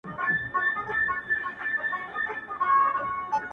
• ګل غونډۍ ته، ارغوان ته، چاریکار ته غزل لیکم -